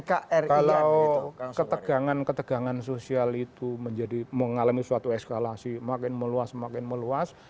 kalau ketegangan ketegangan sosial itu menjadi mengalami suatu eskalasi makin meluas makin meluas